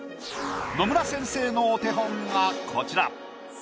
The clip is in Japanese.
野村先生のお手本がこちら。